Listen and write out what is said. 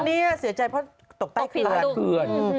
นี่เสียใจเพราะตกใต้เกลือน